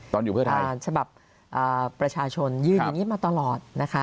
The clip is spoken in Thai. ตอนอยู่เพื่อไทยสำหรับประชาชนยื่นอย่างนี้มาตลอด